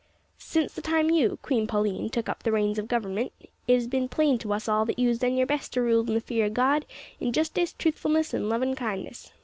"Since the time you, Queen Pauline, took up the reins of guvermint, it has bin plain to us all that you has done your best to rule in the fear o' God, in justice, truthfulness, an' lovin' kindness.